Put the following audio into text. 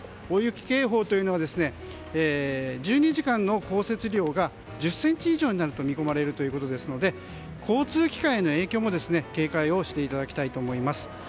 大雪警報というのは１２時間の降雪量が１０ｃｍ以上になると見込まれるということですので交通機関への影響も警戒していただきたいと思います。